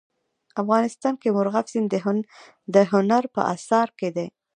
افغانستان کې مورغاب سیند د هنر په اثار کې دی.